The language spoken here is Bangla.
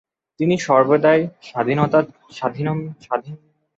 তিনি সর্বদাই স্বাধীনচেতা হিশেবে বেড়ে উঠেন।